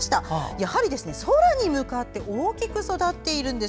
やはり空に向かって大きく育っているんです。